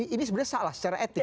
ini sebenarnya salah secara etik